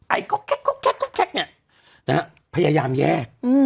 ไอ้ก๊อกแค๊กพยายามแยก